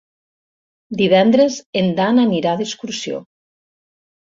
Divendres en Dan anirà d'excursió.